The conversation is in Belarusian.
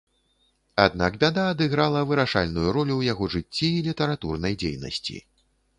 Аднак бяда адыграла вырашальную ролю ў яго жыцці і літаратурнай дзейнасці.